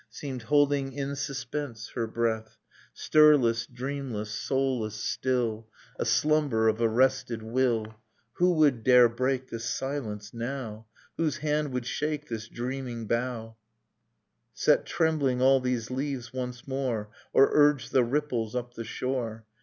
Seemed holding in suspense her breath, Stirless, dreamless, soulless, still, A slumber of arrested will. Who would dare break this silence now, Whose hand would shake this dreaming bough, Dust in Starli2:ht & Set trembling all these leaves once more, Or urge the ripples up the shore?